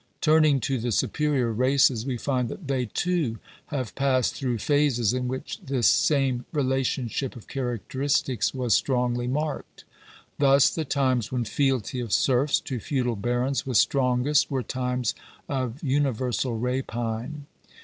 Turning to the superior races, we find that they, too, have passed through phases in which this same relationship of characteristics was strongly marked. Thus, the times when fealty of serfs to feudal barons was strongest, were times of universal rapine.